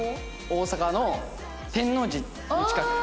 大阪の天王寺の近く。